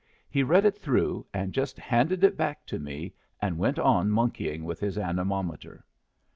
He read it through, and just handed it back to me, and went on monkeying with his anemometer.